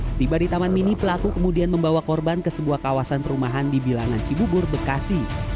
setiba di taman mini pelaku kemudian membawa korban ke sebuah kawasan perumahan di bilangan cibubur bekasi